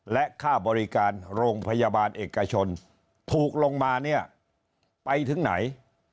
และค่าบริการโรงพยาบาลเอกชนถูกลงมาเนี่ยไปถึงไหน